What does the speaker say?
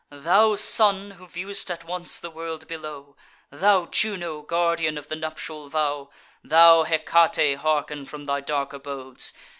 Thou Sun, who view'st at once the world below; Thou Juno, guardian of the nuptial vow; Thou Hecate hearken from thy dark abodes!